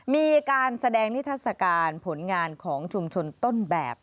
มีการแสดงนิทัศกาลผลงานของชุมชนต้นแบบ